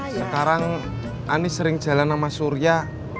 sekarang anies sering jalan sama surya